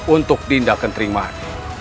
untuk dinda kentriman